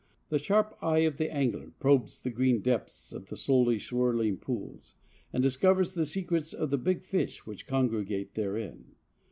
The sharp eye of the angler probes the green depths of the slowly swirling pools, and discovers the secrets of the big fish which congregate therein.